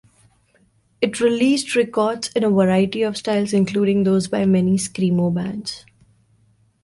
It released records in a variety of styles including those by many screamo bands.